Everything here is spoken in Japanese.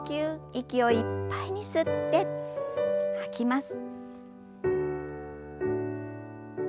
息をいっぱいに吸って吐きます。